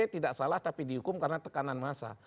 btp tidak salah tapi dihukum karena tekanan masa